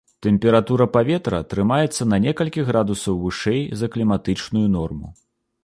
Тэмпература паветра трымаецца на некалькі градусаў вышэй за кліматычную норму.